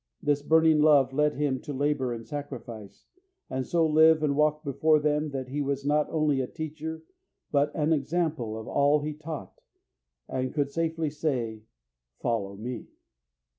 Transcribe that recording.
This burning love led him to labour and sacrifice, and so live and walk before them that he was not only a teacher, but an example of all he taught, and could safely say, "Follow me."